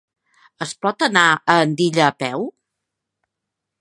Es pot anar a Andilla a peu?